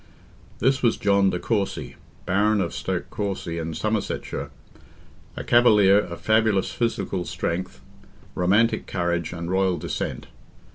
This was John de Courcy, Baron of Stoke Courcy, in Somersetshire, a cavalier of fabulous physical strength, romantic courage, and royal descent.